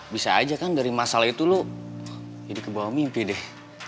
bisa aja kan dari masalah itu lo jadi kebawa mimpi deh